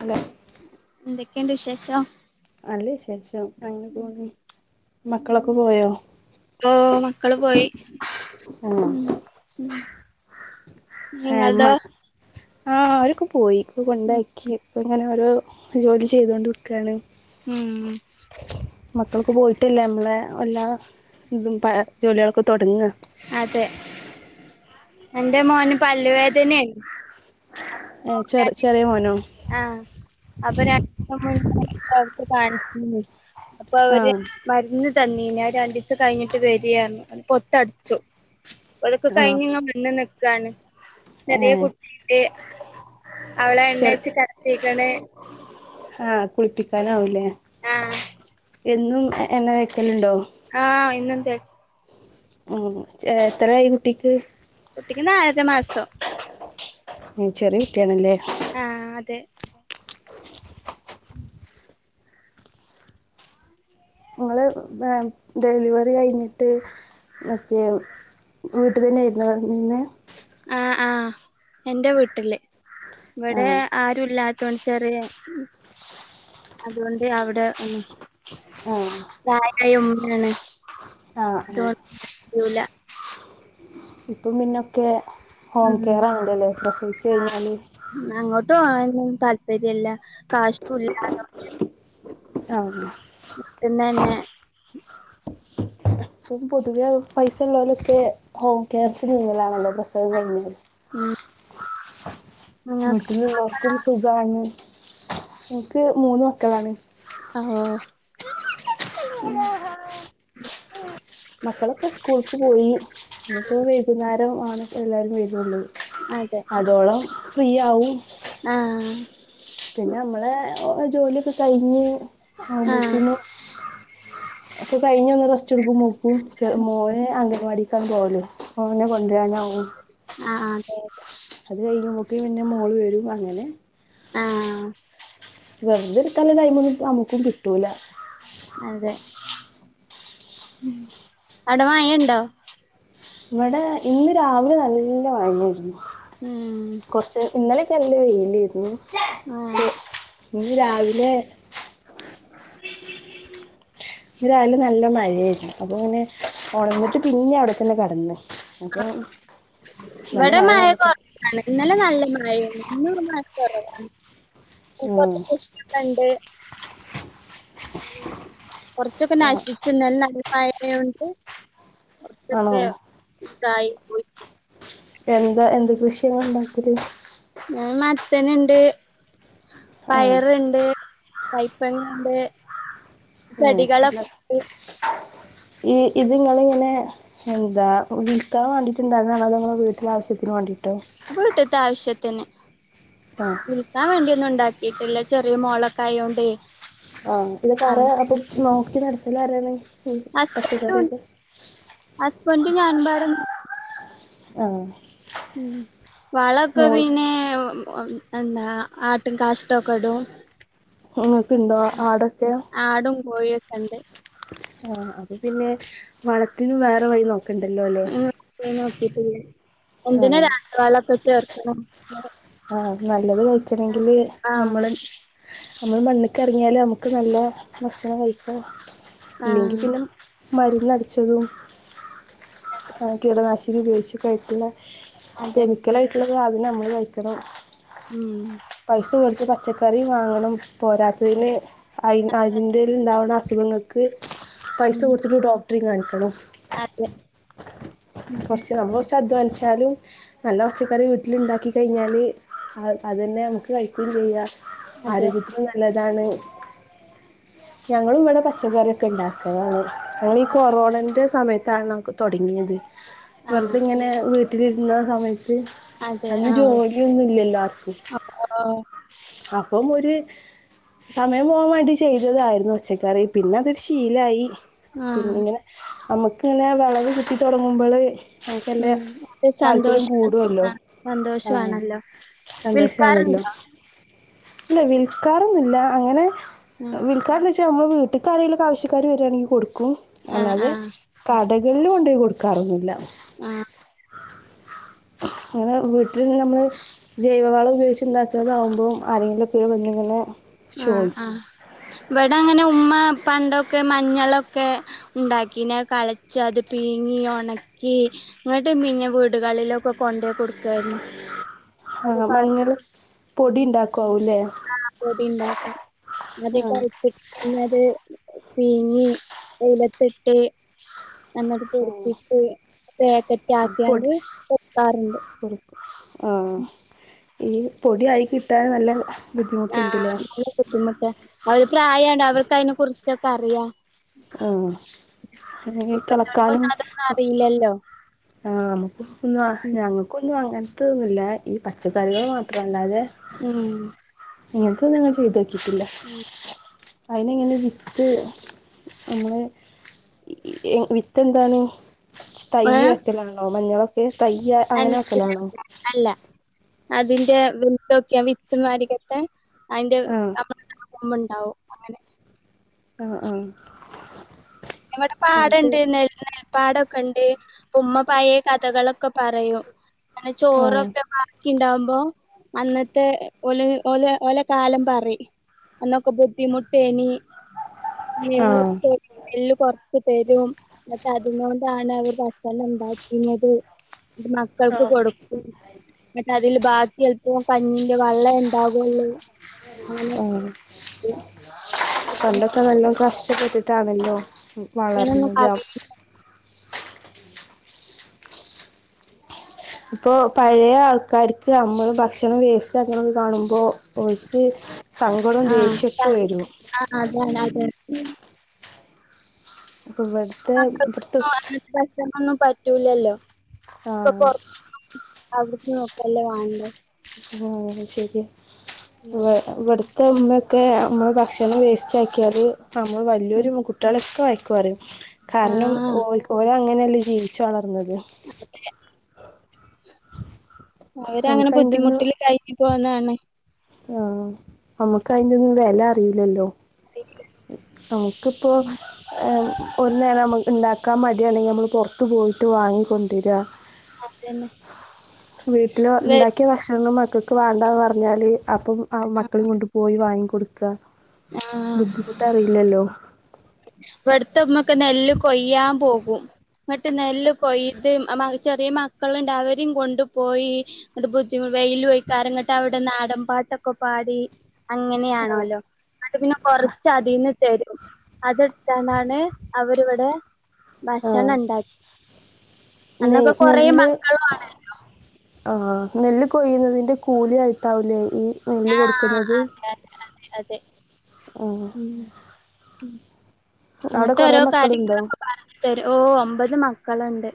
അല്ലോ ഇന്തൊക്കെണ്ട് വിശേഷം നല്ല വിശേഷം അങ്ങനെ പോണ് മക്കളൊക്കെ പോയോ ഓ മക്കള് പോയി ആഹ് മ്.. ഹെമ്മ ആ.. ഓരൊക്കെ പോയി ഉം കൊണ്ടാക്കി ഇപ്പങ്ങനെ ഓരോ ജോലി ചെയ്തൊണ്ട് നിക്കാണ് മ്... മക്കളൊക്കെ പോയിട്ടല്ലേ മ്മളെ എല്ലാ തും പ ജോല്യേളൊക്കെ തൊടങ്ങ്യ അതെ എന്റെ മോന് പല്ലുവേദനേണ് ഏ ചെറ് ചെറ്യേ മോനോ ആഹ് അപ്പൊ രൺ മൂന്ന് ഡോക്ടറെ കാൺചീന്ന് അപ്പൊ ആ ഓര് മര്ന്ന് തന്നീന് അത് രണ്ടീസം കയ്ഞ്ഞിട്ട് വെരിന്നർഞ്ഞു പൊത്തട്ച്ചു ഓലൊക്കെ ആ കഴിഞ്ഞിങ്ങ് വന്ന് നിക്കാണ് ഏ ചെറ്യേ കുട്ടി അവളെ ചെറ എണ്ണേച്ച് കെടത്തീക്ക്ണ്. ആഹ് കുളിപ്പിക്കാനാവൂല്ലേ. ആഹ് എന്നും എ എണ്ണ തേക്കലുണ്ടോ. ആഹ് പിന്നെന്തേ ഉം ഛെ എത്രായി കുട്ടിക്ക്. കുട്ടിക്ക് ന്നാലര മാസം. ഉം ചെറ്യേ കുട്ട്യോണല്ലേ ആ.. അതെ [inaudible] [unintelligible] ഡെലിവറി കഴിഞ്ഞിട്ട്. ഒക്കെ വീട്ട് തന്നെ ഏര്ന്നോ കെടന്നീന്ന്. ആഹ് ആഹ് എന്റെ വീട്ടില് ആ ഇവിടെ ആരുല്ലാ തുണിച്ചറേ അതുകൊണ്ട് അവിടെന്നു ആ പ്രയായ ഉമ്മയാണ് ആ ആ [inaudible] ഇപ്പം പിന്നൊക്കെ ഹോം ഉം കെയറ ആണല്ലേലെ പ്രസവിച്ച് കഴിഞ്ഞാല്. അങ്ങോട്ട് പോവാനും താല്പര്യംല്ല കാഷൂ [inaudible] ആഹ് പിന്നെ ന്നെ ഇപ്പം പൊതുവെ പൈസ ഉള്ളവലൊക്കെ ഹോം കെയർസിലാണല്ലോ പ്രസവം കഴിഞ്ഞല്. മം. വീട്ടിലുള്ളോർക്കും സുഖാണ് എനിക്ക് മൂന്ന് മക്കളാണ്. ആ ഓ ഉം. മക്കളൊക്കെ സ്കൂൾക്ക് പോയി ഇനിപ്പോ വൈകുന്നേരം ആണ് എല്ലാരും വേറൊള്ളു. ആയിതെ. അതോളം ഫ്രീ ആവും. ആഹ് പിന്നെ നമ്മളെ ജോലിയൊക്കെ കഴിഞ്ഞ് ആഹ് ആവ്പോത്തിനും. അപ്പൊ കഴിഞ് ഒന്ന് റസ്റ്റ് എട്കുംമൂകും മോനെ അംഗനവാടിക്കാണ് പോവലേ മോനെ കൊണ്ടരാനാവും. ആഹ് അഹ് അതെ അതെ അത് കഴിയുമ്പോകിന് പിന്നെ മോള് വരും അങ്ങനെ. ആഹ് വെറുതെഇരിക്കാല ടൈമ് ഒന്നും നമക്കും കിട്ടൂല. അതെ അവിടെ മായണ്ടോ. ഇവിടെ ഇന്ന് രാവിലെ ന്നല്ല മഴേർന്നു. ഉം. കുറച്ച് ഇന്നലെക്കെ നല്ല വെയിലേര്ന്നു. ആഹ് ഇന്ന് രാവിലെ ഇന്ന് രാവിലെ നല്ല മഴേര്ന്നു അപ്പ പിന്നെ ഉണന്നിട്ട് പിന്നെ അവിടെത്തന്നെ കെടന്ന്. അപ്പോ ഇവിടെ മഴ കുറവാണ് ഇന്നലെ നല്ല മയേണ് ഇന്ന് മഴ കുറവാണ്. ഉം. [unintelligible] ഫ്രണ്ട്. കൊറച്ചൊക്കെ ആ- നശിച്ചു നെലെ ന്നല്ലമഴേയോണ്ട്. കുറച്ചൊക്കെ ആണോ ഇതായി പോയി. എന്താ എന്ത് കൃഷ്യയാ ങ്ങള് ഉണ്ടാക്കല്. ഞൻ മത്തന്ണ്ട് ആ പയറ്ണ്ട്. കൈപ്പങ്ങണ്ട്. ചെടികളൊക്കെ [inaudible] ഇണ്ട്. ഈ ഇത് ങ്ങളിങ്ങനെ. എന്താ വിൽക്കാൻ വേണ്ടിട്ട്ണ്ടായിരുന്നാണോ അതോ നിങ്ങളെ വീട്ടിലെ ആവശ്യത്തിന് വേണ്ടിട്ടോ വീട്ട്ത്തെ ആവശ്യത്തിന് ആ വി ക്കാൻ വേണ്ടിയൊന്നും ഉണ്ടാക്കിയിട്ടില്ല ചെറിയ മോളൊക്കെ ആയോണ്ടേ ആഹ് ഇ കറ ആഹ് പടിച്ച് നോക്കി നടത്തലാരാണ് ഹസ്ബന്റ് ഉണ്ട് ഹസ്ബന്ഡും ഞാനും മ്പാടന്നെ ആഹ് ഉ വളകെ പിനെ എന്താ ആട്ടും കാഷ്ട്ടക്കെ ഇടും നിങ്ങൾക്ക് ഇണ്ടോ ആടൊക്കെ ആടും കോയൊക്കെണ്ട് ആഹ് അത് പിന്നെ വളത്തിനും വേറെ വഴി നോക്കണ്ടല്ലോ ല്ലേ നോക്കി [inaudible] എന്തിനാ രാസവളോക്കെ ചേർക്കണേ ആഹ് നല്ലത് കഴിക്കണെങ്കില് ആഹ് നമ്മള് നമ്മള് മണ്ണ്ക്ക് ഇറങ്ങിയാല് നമുക്ക് നല്ല ഭക്ഷണം കഴിക്കാം ഇല്ലെങ്കി ആഹ് പിന്നെ മരുന്നടിച്ചതും അത് ആ, കീടനാശിനി ഉപയോഗിച്ച് കഴീട്ടുള്ള അതെ കെമിക്കല് ആയിട്ടുള്ള സാധനം നമ്മള് കഴിക്കണം ഉം പൈസ കൊടുത്ത് പച്ചക്കറി വാങ്ങണം പോരാത്തതിന് അതി അതിൻറേറൽ ഉണ്ടാവുന്ന അസുഖങ്ങൾക്ക് പൈസ ഉം കൊടുത്തിട്ട് ഡോ ഡക്ട്രി കാണിക്കണം അതെ കുറച്ച് നമ്മൾ കുറച്ച് അധ്വാനിച്ചാലും നല്ല പച്ചക്കറി വീട്ടില് ഉണ്ടാക്കി കഴിഞ്ഞാല് അതന്നെ നമുക്ക് കഴിക്കുകയും ചെയ്യാം അതെ ആരോഗ്യത്തിന് നല്ലതാണ് ഞങ്ങളും ഇവിടെ പച്ചക്കറിയൊക്കെ ഉണ്ടാക്കലാണ് അത് ഈ കൊറോണന്റെ സമയത്താണ് നമ്മുക്ക് തുടങ്ങിയത് ആ വെറുതെ ഇങ്ങനെ വീട്ടിലിരുന്ന സമയത്ത് അതെ അന്ന് ആഹ് ജോലിയൊന്നുംഇല്ലോല്ലോ ആർക്കും ഓഹ് അപ്പം ഒരു സമയം പോകാൻ വേണ്ടി ചെയ്തതായിരുന്നു പച്ചക്കറി പിന്നെ അതൊരു ശീലായി പിന്നെ ആഹ് ഇങ്ങനെ നമ്മുക്ക് ഇങ്ങനെ വിളവ് കിട്ടി തുടങ്ങുമ്പോള് നമ്മുക്കന്നെ ഉം അത് താല്പര്യം സന്തോഷാണ് കൂടുല്ലോ ആഹ് ആഹ് സന്തോഷാണല്ലോ സന്തോഷം ആണല്ലോ വിളിക്കാറുണ്ടോ ഇല്ല വിൽക്കാറൊന്നില്ല അങ്ങനെ വിൽ കാരണം വെച്ചാൽ നമ്മൾ വീട്ട് ക്ക് ആരെങ്കിലുംആവശ്യക്കാര് വരുവാണെങ്കി കൊടുക്കും ആഹ് ആഹ് അല്ലാതെ ആഹ് കടയ് കളിൽ കൊണ്ടെ പോയി കൊടുക്കാറൊന്നൂല്ല ആഹ് അങ്ങെനെ വീട്ടിൽന്ന് നമ്മള് ജൈവവളം ഉപയോഗിച്ച് ഉണ്ടാക്കുന്നതാകുമ്പം ആരെങ്കിലും [unintelligible] വന്ന് ഇങ്ങനെ ആഹ് ആ ഇവിടെ അങ്ങനെ ഉമ്മ പണ്ടൊക്കെ മഞ്ഞളൊക്കെ ഉണ്ടാക്കീനെ കളച്ച് അത് പീങ്ങി ഉണക്കി ഇങ്ങോട്ട് പിന്നെ വീടുകളിലൊക്കെ കൊണ്ട് പോയി കൊടുക്കായിരുന്നു ഒരു ആഹ് പാ മഞ്ഞൾ പൊടി ഉണ്ടാക്കാവുംല്ലേ ആഹ് പൊടീണ്ടാക്കും ആ അത്കളച്ചിട്ട് പിന്നത് പീങ്ങി വെയിലത്തിട്ട് നന്നായിട്ട് പൊടിപ്പിച്ച് പാക്കറ്റ് ആഹ് ആക്കിയാണ്ട് പൊടിച്ച് കൊടുക്കാറുണ്ട് പൊടിച്ച് ആഹ് ഈ പൊടിയായി കിട്ടാൻ നല്ല ആഹ് ബുദ്ധിമുട്ടുണ്ടല്ലേ നല്ല ബുദ്ധിമുട്ട് അവര് പ്രായണ്ട് അവർക്ക് അതിനെ കുറിച്ചൊക്കെ അറിയാ ആഹ് അവരീ കിളക്കാനും ഇപ്പത്തോൽക്കൊന്നും അതൊന്നും അറിയില്ലല്ലോ ആഹ് ഒന്നും ഉം ഞങ്ങൾക്കൊന്നും അങ്ങനത്തതൊന്നുമില്ല ഈ പച്ചക്കറികൾ മാത്രം അല്ലാതെ അങ്ങനത്തെ ഞങ്ങൾ ചെയ്ത് നോക്കിട്ടില്ല ഉം അയിന് ഇങ്ങനെ വിത്ത് നമ്മള് വിത്ത് എന്താണ്? തയ്യ് ഏഹ് വക്കലാണോ മഞ്ഞളൊക്കെ തയ്യാ അല്ല അല്ല അതിന്റെ വിത്തൊക്കെയ വിത്ത്മാരികത്തെ അതിന്റെ ആഹ് നമ്മ ഉമ്മണ്ടാവും ആഹ ആ ഇവിടെപാടണ്ട് ന്ന് പാടൊക്കെണ്ട് ഉമ്മ പായെ കഥകളൊക്കെ പറയും അങ്ങനെ ആഹ് ചോറൊക്കെ ണ്ടാവുമ്പോ അന്നത്തെ ല ഓല ഓല കാലം പറിം അന്നൊക്ക ബുദ്ധി മുട്ടേനി ആഹ് നെല്ലെക്കെ നെല്ല് കൊറച്ച് തരും ന്നിട്ട് അതൊണ്ടാണ് അവര് ഭക്ഷണം ഉണ്ടാക്കുന്നത് മാക്ക് മക്കൾക്ക് കൊടുക്കും ന്നിട്ടതില് ബാക്കി അല്പ്പ കഞ്ഞിന്റെ വെള്ളെ ണ്ടാകൊള്ളൂ ആ പണ്ടൊക്ക നല്ലോം കഷ്ടപ്പെട്ട് ട്ടാണല്ലോ തൊന്നും വളർന്നത് പറയില്ല. ഇപ്പോ പഴയ ആൾക്കാർക്ക് നമ്മൾ ഭക്ഷണം വേസ്റ്റ് ആക്ക്ണത് കാണുമ്പോൾ ഓൽക്ക് സങ്കടേം ആഹ് ദേഷ്യക്കെ വരും ആഹ് അതാണ്െ അതെ ഉവ്വ് മക്കകൊന്നും പറ്റൂലല്ലോ ആ, ഇപ്പൊ പൊറ അവിട്ക്ക് നോക്കല്ലേ വാണ്ടേ ആഹ അഅ് ശരിയ ഉം ഇ ഇമ്മക്കെ ഭക്ഷണം വേസ്റ്റ് ആക്കിയാൽ നമ്മള് ഉം വലിയൊരിം കുട്ടികളൊക്കെ വഴക്കുപറയും കാരണം ആഹ് ഓല് ഓലങ്ങനെയല്ലേ ജീവിിച്ചു വളർന്നത് അതെ അവര് അങ്ങനെ നമുക്ക് അതിൻ്റെ ബുദ്ധിമുട്ടില് കയിഞ് പോന്നതാണ് ആഹ നമ്മുക്ക് അതിന്റെൊന്നും വില അറിയില്ലല്ലോ [inaudible] ഉഓ നമുക്കിപ്പോ ഉം ഒരു നേരം നമുക്ക് ഉണ്ടാക്കാൻ മടിയാണെങ്കിൽ നമ്മൾ പുറത്ത് പോയ വിട്ട് വാങ്ങിക്കൊണ്ടരാ എന്ന് വീട്ടില്ണ്ടാക്കിയ ഭക്ഷണ മക്കൾക്ക് വേണ്ടന്ന് പറഞ്ഞാല് അപ്പം മക്കളേം കൊണ്ട് പോയി വാങ്ങിിക്കൊടുക്ക ആഹ് ബുദ്ധിമുട്ടറിയില്ലല്ലോ ഇവിടത്തമ്മക്ക് നെല്ല് കൊയ്യാൻ പോകും ഇങ്ങട്ട് നെല്ല് കൊയ്ത് ചെറിയ മക്കളണ്ട് അവരേം കൊണ്ട്ു പോയി ഇങ്ങ ബുദ്ധിമുട്ട് വെയിലോകാരം ങ്ങോട്ട് അവിടെ നാടൻ പാട്ടൊക്കെ പാടി അങ്ങനെയാണല്ലോ എന്നട്ട് പിന്നെ കൊറച്ച് അതിൽന്ന് തരും അത് ട്താനാണ് അവരിവിടെ ആ ഭക്ഷണണ്ടാക്കി അന്നൊക്കെ നെ- കൊറേ നെല്ല് മക്കളുആണ് നെല്ല് കൊയ്യുന്നതിൻ്റെ കൂലിയായിട്ടാവുല്ലേ ഈ നെല്ല് ആഹ കൊടുക്കുന്നത് അതെ അതെ അതെ അതെ ആ. ഉ അവിടെ ഇങ്ങനത്തെ കുറേ ഓരോ മക്കളുണ്ടോ കാര്യങ്ങളൊക്കെ പറഞ്ഞു തരും ഓ ഒമ്പത് മക്കളുണ്ട്!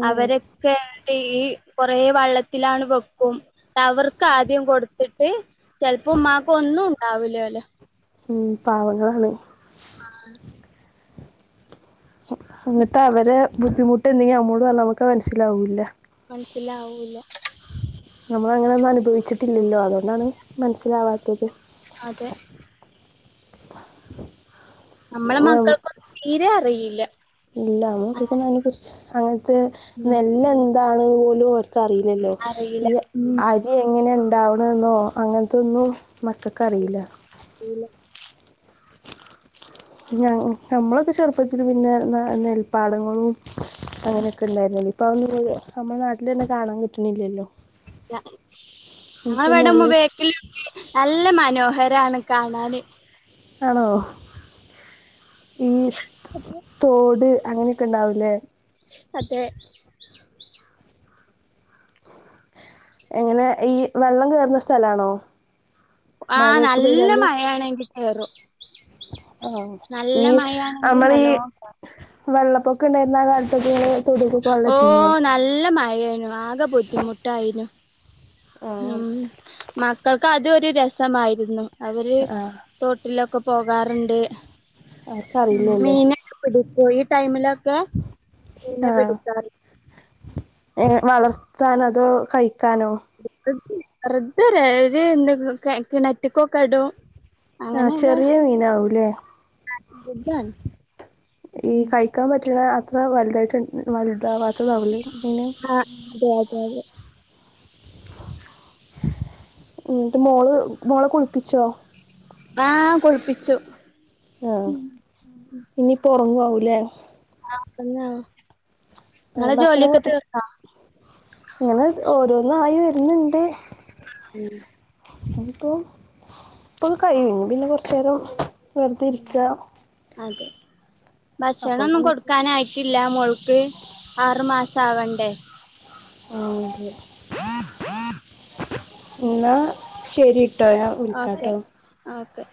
ഉം. അവരൊക്കെ ഈ കൊറെേ വള്ളത്തിലാണ് വെക്കും അവർക്ക് ആദ്യം കൊടുത്തിട്ട് ചെൽപ്പോ ഉമ്മാക്ക് ഒന്നുണ്ടാവൂല്ലോ ലൊ ഉം പാവങ്ങളാണ് ആഹ ന്നിട്ട് അവരെ ബുദ്ധിമുട്ട് എന്തെങ്കിലും അമ്മോട് പറഞ്ഞാൽ നമുക്ക് മനസ്സിലാവുല്ല മനസ്സിലാവൂല നമ്മൾ അങ്ങനെ ഒന്നും അനുഭവിച്ചിട്ടില്ലല്ലോ അതുകൊണ്ടാണ് മനസ്സിലാവാത്തത് അതെ നമ്മളെ ഉം, മക്കൾക്കൊന്നും തീരെ അറിയില്ല ഇല്ല നമ്മക്കക്കുന്ന അങ്ങന കുറിച്ച് അങ്ങനത്തെ ഉം നെല്ല് എന്താണ് പോലും.. അറില്ലല്ലോ അറിയില്ല. ഈ ഉം. അരി എങ്ങനെ ഉണ്ടാവണെന്നോ അങ്ങനത്തൊന്നും മക്കൾക് അറിയില്ല പിന്നെ ഞ നമ്മളൊക്കെ ചെറുപ്പത്തിൽ പിന്നെ ന നെൽപ്പാടങ്ങളും അങ്ങനെയൊക്കെ ഉണ്ടായിരുന്നല്ലോ ഇപ്പൊ. [unintelligible] നമ്മുടെ നാട്ടിൽ തന്നെ കാണാൻ കിട്ടുന്നില്ലല്ലോ ഞങ്ങ ഇവിടെ മ നെല്ല് ബേക്കിൽ നല്ല മനോഹരാണ് കാണാന് ആണോ ഈ അതെ തോട് അങ്ങനെയൊക്കെ ഉണ്ടാവൂല്ലേ അതെ എങ്ങനെ ഈ വെള്ളം കയറുന്ന സ്ഥലാണോ ആഹ നല്ല മഴയാണെങ്കിൽ കയറും ആഹ ഈ മഴയാണെങ്കി നമ്മള ഈ നല്ലോം കേറും. വെള്ളപ്പൊക്ക ഉണ്ടായിരുന്ന ആ കാലത്ത്.. ഓ നല്ല മഴായിനു ആകെ ബുദ്ധിമുട്ടായിനു ആഹ് ഉം മക്കൾക്ക് അതൊരു രസമായിരുന്നു അവര് ആഹ് തോട്ടിലൊക്കെ പോകാറുണ്ട് അതൊക്കറിയില്ലല്ലോ മീന.. പിടിക്ക ഈ ടൈമിലൊക്കെ മീനെ ആഹ പിടിക്കാറ് ഏ വളർത്താനോ അതോ കഴിക്കാനോ വെറുതല എന്ത കിണറ്റിക്കൊക്കെ ഇടും ആ അങ്ങനെയൊക്കെ ചെറിയ മീന ആവൂല്ലേ ഇതാണ് ഈ കഴി കഴിക്കാൻ പറ്റണ് അത്ര വലുതായിട്ട് വലുതാവാത്തതാത് ആകും ലൈ മീൻ ആ പൈതൽ ഇങ്ങട്ട് മോള് മോളെ കുളിപ്പിച്ചോ ആ കുളി പ്പിച്ചു ആഹ ഇനിപ്പോ ഉറങ്ങാവൂലേ ആ ഉറങ്ങണ് നിങ്ങള ഭക്ഷണം ജോലിയൊക്കെ തീർന്നോ ഇങ്ങനെ ഓരോന്നായി വരുന്നുണ്ട് ഉം തിപ്പോ ഇപ്പൊ കഴിയും പിന്നെ കുറച്ച നേരം വെറുതെ ഉം ഇരിക അതെ അപ്പൊ ഭക്ഷണംന്നും പിന്നെ കൊടുക്കാനായിട്ട് ട്ടില്ല മോൾക്ക് ആറു മാസം ആവണ്ടേ ആതെ എന്നാ ശരി.. ഓക്കെ ഓകെ